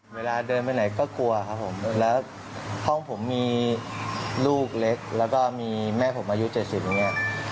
เวลาเดินไปไหนก็กลัวครับผมแล้วห้องผมมีลูกเล็กแล้วก็มีแม่ผมอายุ๗๐อย่างนี้